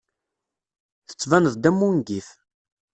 Tettbaneḍ-d am wungif.